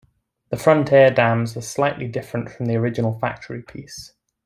The front air dams are slightly different than the original factory piece.